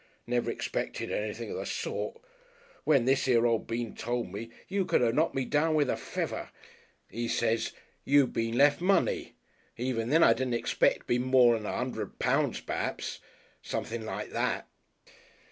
"Never expected anything of the sort.... When this here old Bean told me, you could have knocked me down with a feather.... He says, 'You b'en lef' money.' Even then I didn't expect it'd be mor'n a hundred pounds perhaps. Something like that."